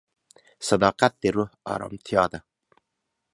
صداقت د روح ارامتیا ده.